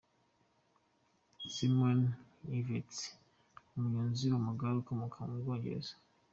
Simon Yates, umunyozi w’amagare ukomoka mu Bwongereza.